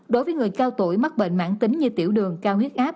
đối với người cao tuổi mắc bệnh mãn tính như tiểu đường cao huyết áp